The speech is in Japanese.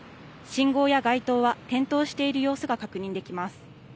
信号や街灯は点灯している様子が確認できます。